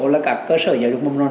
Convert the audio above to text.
là các cơ sở giáo dục mầm non